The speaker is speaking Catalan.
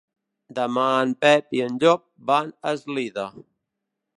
Demà en Pep i en Llop van a Eslida.